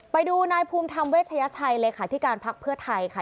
ไปดูนายภูมิธรรมเวชยชัยเลขาธิการพักเพื่อไทยค่ะ